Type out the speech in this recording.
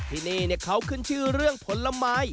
ที่นี่เขาขึ้นชื่อเรื่องผลไม้